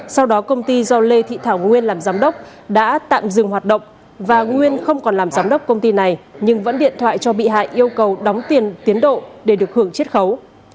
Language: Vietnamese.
sau đó công ty do lê thị thảo nguyên làm giám đốc đã tạm dừng hoạt động và nguyên không còn làm giám đốc công ty này nhưng vẫn điện thoại cho bị hại yêu cầu đóng tiền tiến độ để được hưởng triết khấu